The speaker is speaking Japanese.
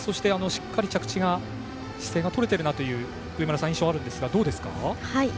しっかり着地が姿勢がとれてるなという印象があるんですがどうですか？